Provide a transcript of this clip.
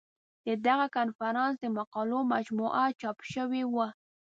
د دغه کنفرانس د مقالو مجموعه چاپ شوې وه.